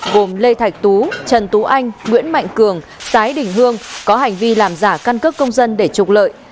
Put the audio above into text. gồm lê thạch tú trần tú anh nguyễn mạnh cường tái đình hương có hành vi làm giả căn cước công dân để trục lợi